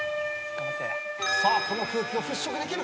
この空気を払拭できるか？